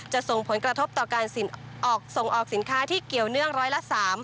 ส่งผลกระทบต่อการส่งออกสินค้าที่เกี่ยวเนื่องร้อยละ๓